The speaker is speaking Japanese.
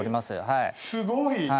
すごい。